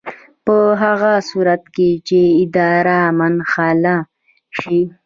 په هغه صورت کې چې اداره منحله شي.